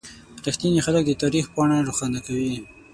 • رښتیني خلک د تاریخ پاڼه روښانه کوي.